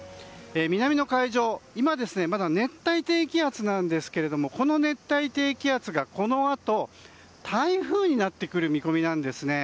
南の海上、今、まだ熱帯低気圧なんですけれどもこの熱帯低気圧がこのあと台風になってくる見込みなんです。